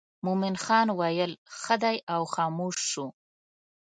مومن خان ویل ښه دی او خاموش شو.